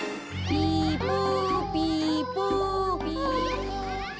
ピポピポ。